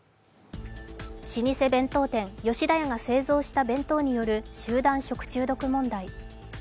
老舗弁当店・吉田屋が製造した弁当による集団食中毒問題。